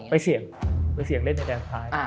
ไปเสี่ยงไปเสี่ยงเล่นในแดดไทย